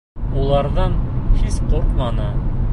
Уларҙан һис ҡурҡманы.